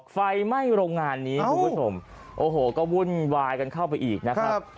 ไฟไหม้โรงงานนี้คุณผู้ชมโอ้โหก็วุ่นวายกันเข้าไปอีกนะครับ